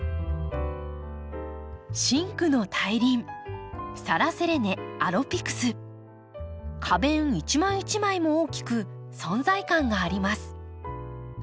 真紅の大輪花弁一枚一枚も大きく存在感があります。